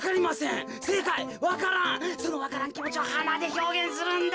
そのわからんきもちをはなでひょうげんするんだ。